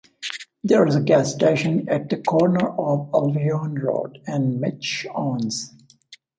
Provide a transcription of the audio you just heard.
There is a gas station at the corner of Albion Road and Mitch Owens.